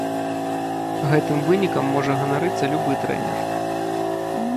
Гэтым вынікам можа ганарыцца любы трэнер.